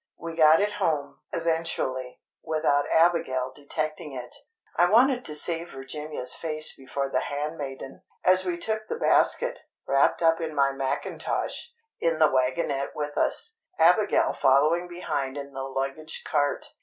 We got it home, eventually, without Abigail detecting it—I wanted to save Virginia's face before the handmaiden—as we took the basket, wrapped up in my mackintosh, in the wagonette with us, Abigail following behind in the luggage cart.